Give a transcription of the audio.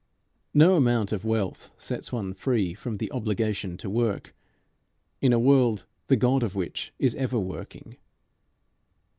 No amount of wealth sets one free from the obligation to work in a world the God of which is ever working.